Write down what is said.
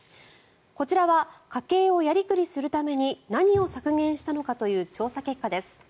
こちらは家計をやりくりするために何を削減したのかという調査結果です。